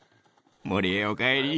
森へお帰り。